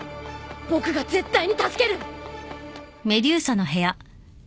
僕が絶対に助ける！